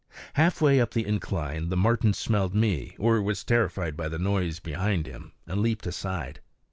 Halfway up the incline the marten smelled me, or was terrified by the noise behind him and leaped aside.